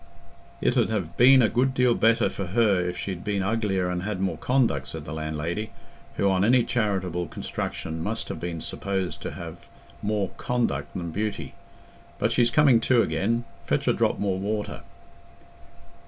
"It 'ud have been a good deal better for her if she'd been uglier and had more conduct," said the landlady, who on any charitable construction must have been supposed to have more "conduct" than beauty. "But she's coming to again. Fetch a drop more water."